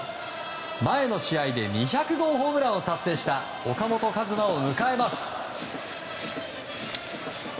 前の試合で２００号ホームランを達成した岡本和真を迎えます。